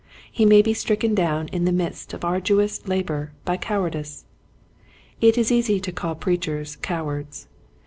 He may be stricken down in the midst of arduous labor by cowardice. It is easy to call preachers cowards.